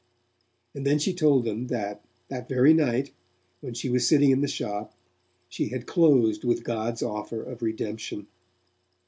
And then she told them that, that very night, when she was sitting in the shop, she had closed with God's offer of redemption.